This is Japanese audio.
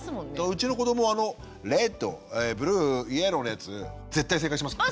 うちの子どもはあのレッド・ブルー・イエローのやつ絶対正解しますからね。